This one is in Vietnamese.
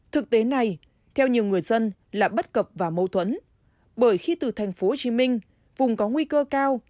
thực tế này theo nhiều người dân là bất cập và mâu thuẫn bởi khi từ thành phố hồ chí minh vùng có nguy cơ cao